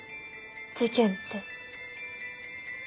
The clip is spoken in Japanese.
事件って？